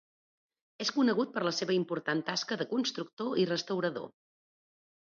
És conegut per la seva important tasca de constructor i restaurador.